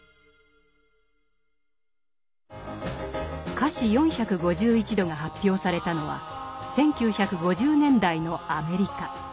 「華氏４５１度」が発表されたのは１９５０年代のアメリカ。